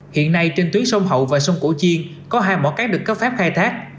hiện nay trên tuyến sông hậu và sông cổ chiên có hai mỏ cát được cấp phép khai thác